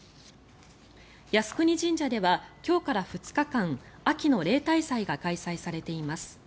靖国神社では今日から２日間秋の例大祭が開催されています。